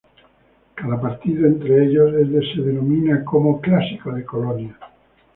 Cada partido entre ellos es denominado como "Clásico de colonias".